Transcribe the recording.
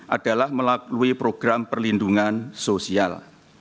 adalah melalui program perlindungan sosial